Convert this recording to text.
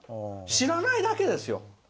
知らないだけですよ。